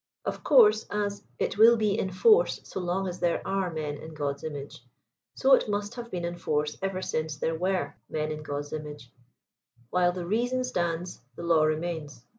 Of course as « it will he in force so long as there are men in God's image ;" so it must have heen in force ever since thete were men in Gdd's image, While the reason stands, the law remains."